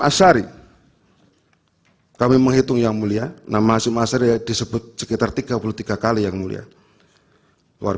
asyari kami menghitung yang mulia nama asum asyari disebut sekitar tiga puluh tiga kali yang mulia